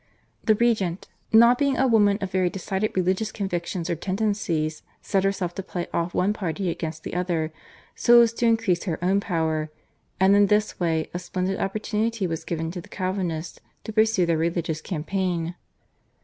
The regent, not being a woman of very decided religious convictions or tendencies, set herself to play off one party against the other so as to increase her own power, and in this way a splendid opportunity was given to the Calvinists to pursue their religious campaign.